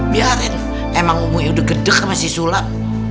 biarin emang umi udah gedeg sama si sulap